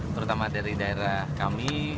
terutama dari daerah kami